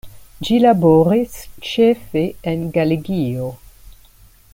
Ĝi laboris ĉefe en Galegio.